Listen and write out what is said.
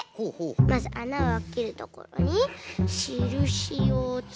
まずあなをあけるところにしるしをつけて。